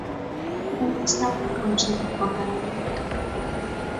او سخت عاشق خواهرم بود.